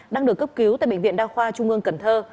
đang được cấp cứu tại bệnh viện đa khoa trung ương cần thơ